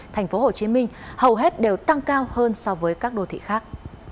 tp hcm hầu hết đều tăng cao hơn so với các đô thị khác